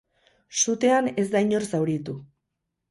Sutean ez da inor zauritu.